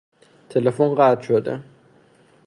تلفن قطع شده.